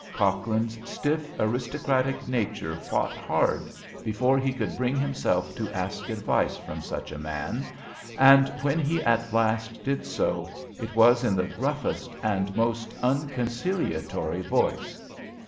Cochrane's stiff, aristocratic nature fought hard before he could bring himself to ask advice from such a man, and when he at last did so, it was in the gruffest and most unconciliatory voice.